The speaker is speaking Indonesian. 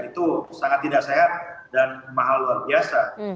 itu sangat tidak sehat dan mahal luar biasa